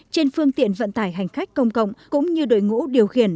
trên phương tiện vận tải hành khách công cộng cũng như đội ngũ điều khiển